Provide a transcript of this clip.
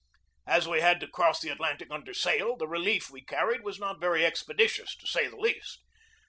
As we had to cross the Atlantic under sail, the relief we carried was not very expeditious, to say the least.